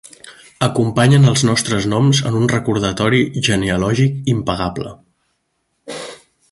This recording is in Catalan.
Acompanyen els nostres noms en un recordatori genealògic impagable.